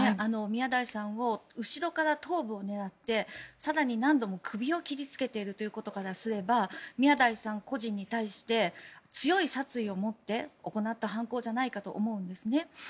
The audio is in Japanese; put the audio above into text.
宮台さんを後ろから頭部を狙って更に何度も首を切りつけているということからすれば宮台さん個人に対して強い殺意を持って行った犯行じゃないかと思うんですね。